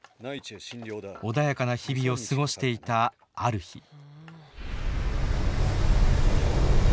穏やかな日々を過ごしていたある日。